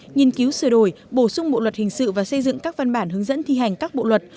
nghiên cứu sửa đổi bổ sung bộ luật hình sự và xây dựng các văn bản hướng dẫn thi hành các bộ luật